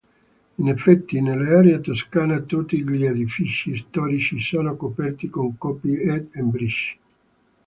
In effetti nell'area toscana tutti gli edifici storici sono coperti con coppi ed embrici.